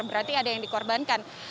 berarti ada yang dikorbankan